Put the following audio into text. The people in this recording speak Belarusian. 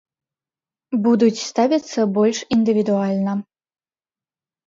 Будуць ставіцца больш індывідуальна.